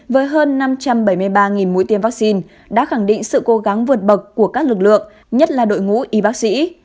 với hơn năm trăm bảy mươi ba mũi tiêm vaccine đã khẳng định sự cố gắng vượt bậc của các lực lượng nhất là đội ngũ y bác sĩ